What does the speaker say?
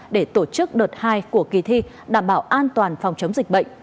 để tổ chức đợt hai của kỳ thi đảm bảo an toàn phòng chống dịch bệnh